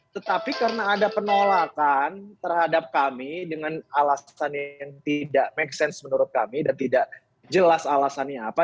tetapi karena ada penolakan terhadap kami dengan alasan yang tidak make sense menurut kami dan tidak jelas alasannya apa